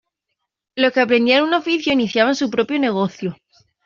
Los que aprendían un oficio iniciaban su propio negocio.